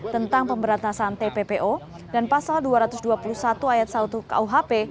tentang pemberantasan tppo dan pasal dua ratus dua puluh satu ayat satu kuhp